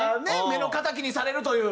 目の敵にされるという。